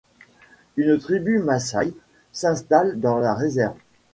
Une tribu Maasaï s'installe dans la réserve.